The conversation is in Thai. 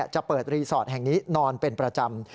จะเปิดรีสอร์ทแห่งนี้นอนเป็นประจำ